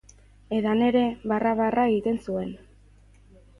Edan ere, barra-barra egiten zuen.